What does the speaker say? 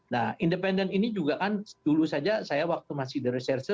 nah independen ini juga kan dulu saja saya waktu masih di reserse